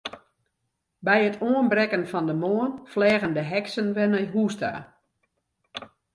By it oanbrekken fan de moarn fleagen de heksen wer nei hús ta.